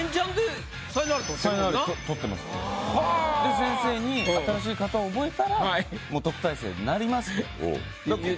先生に「新しい型を覚えたらもう特待生になります」と。